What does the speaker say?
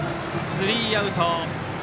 スリーアウト。